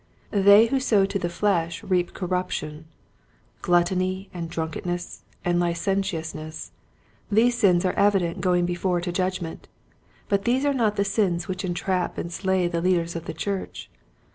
They who sow to the flesh reap corruption. Gluttony and drunkenness and licentiousness — these sins are evident go ing before to judgment, but these are not the sins which entrap and slay the leaders of the church.